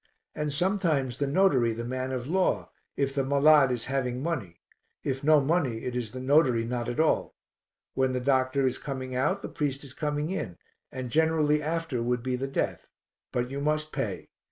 And sometimes the notary, the man of law, if the malade is having money; if no money, it is the notary not at all. When the doctor is coming out, the priest is coming in, and generally after would be the death. But you must pay.